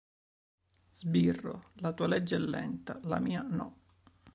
Sbirro, la tua legge è lenta.. la mia no!